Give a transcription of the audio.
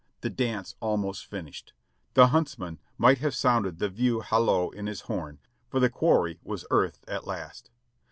the dance almost finished ; the huntsman might have sounded the view halloo in his horn, for the quarry was earthed at last.